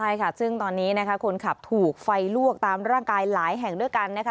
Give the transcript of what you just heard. ใช่ค่ะซึ่งตอนนี้นะคะคนขับถูกไฟลวกตามร่างกายหลายแห่งด้วยกันนะคะ